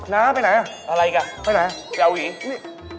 น้าไปไหนล่ะไปเอาหวี